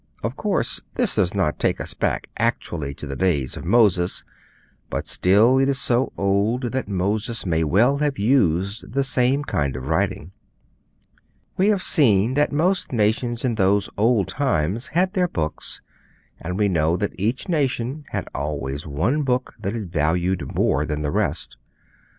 Moses most likely used letters like these] Of course, this does not take us back actually to the days of Moses, but still it is so old that Moses may well have used the same kind of writing. We have seen that most nations in those old times had their books, and we know that each nation had always one book that it valued more than the rest.